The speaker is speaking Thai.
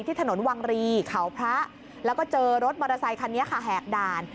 ถนนวังรีเขาพระแล้วก็เจอรถมอเตอร์ไซคันนี้ค่ะแหกด่าน